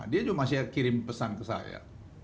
dia juga masih kirim pesan ke saya